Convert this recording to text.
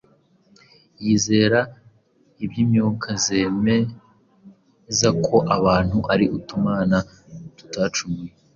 yizera iby’imyuka zemeza ko abantu ari utumana tutacumuye.